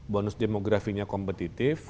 bonus demografinya kompetitif